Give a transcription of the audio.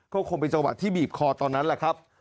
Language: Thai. ก็คงเป็นจังหวะที่บีบคอตอนนั้นแหละครับ